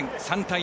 ３対０。